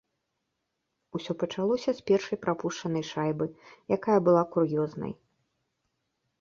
Усё пачалося з першай прапушчанай шайбы, якая была кур'ёзнай.